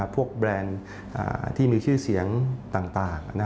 แบรนด์ที่มีชื่อเสียงต่าง